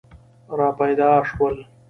را پیدا شول.